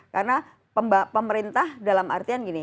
karena pemerintah dalam artian gini